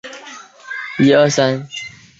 红点平盲蝽为盲蝽科平盲蝽属下的一个种。